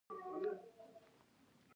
هرمنوتیکي مباحثو وده کړې.